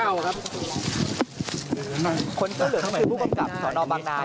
เดี๋ยวขออนุญาตหนึ่งนะครับสวัสดีครับขออนุญาตหนึ่งนะครับสวัสดีครับ